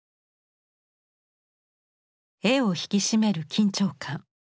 絵を引き締める緊張感。